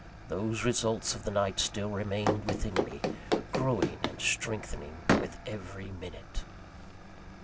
Those results of the night still remained within me, growing and strengthening with every minute.